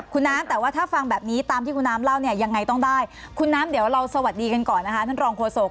คุณน้ำแต่ว่าถ้าฟังแบบนี้ตามที่คุณน้ำเล่าเนี่ยยังไงต้องได้คุณน้ำเดี๋ยวเราสวัสดีกันก่อนนะคะท่านรองโฆษก